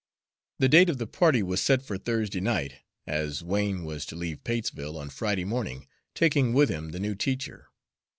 The date of the party was set for Thursday night, as Wain was to leave Patesville on Friday morning, taking with him the new teacher.